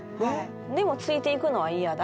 でもついていくのはイヤだ？